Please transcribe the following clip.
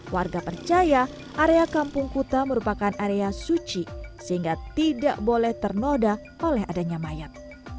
warga percaya area kampung kuta merupakan area suci sehingga tidak boleh ternoda oleh adanya mayat